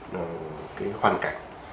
cái hoàn cảnh